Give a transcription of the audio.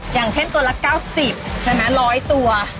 อย่างเช่นตัวละ๙๐ใช่ไหม๑๐๐ตัว